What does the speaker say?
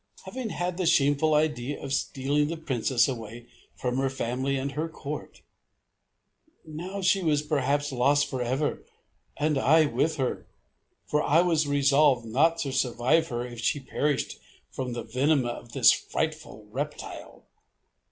having had the shameful idea of stealing the Princess away from her family and her Court.... Now she was perhaps lost forever and I with her; for I was resolved not to survive her if she perished from the venom of this frightful reptile.